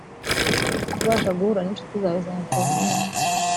kubasha guhura ninshuti zawe za enterineti.